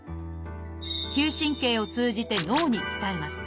嗅神経を通じて脳に伝えます。